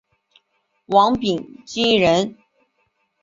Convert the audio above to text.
王秉鋆人。